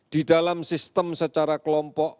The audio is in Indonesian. di dalam sistem secara kelompok